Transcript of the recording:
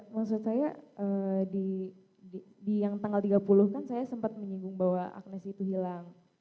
maksud saya di yang tanggal tiga puluh kan saya sempat menyinggung bahwa agnesi itu hilang